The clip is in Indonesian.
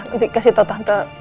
nanti kasih tau tante